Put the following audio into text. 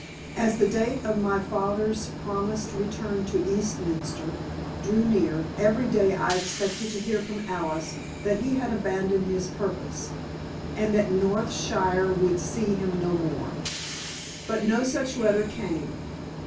As the date of my father's promised return to Eastminster drew near, every day I expected to hear from Alice that he had abandoned his purpose, and that Northshire would see him no more. But no such letter came.